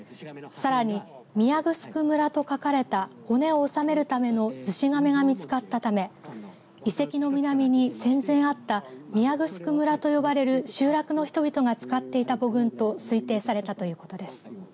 さらに宮城村と書かれた骨を納めるための厨子甕が見つかったため遺跡の南に戦前あった宮城村と呼ばれる集落の人々が使っていた墓群と推定されたということです。